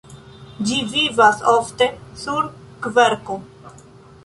Ĝi vivas ofte sur kverko.